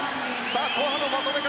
後半のまとめ方。